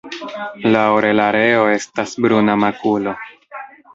La orelareo estas bruna makulo.